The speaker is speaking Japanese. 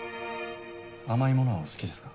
甘いものはお好きですか？